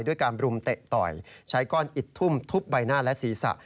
ด้วยการบรุมเตะต่อยใช้ก้อนอิดทุ่มทุบใบหน้าและศีรษะ